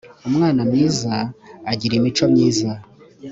umwana mwiza ajyirimico myiza.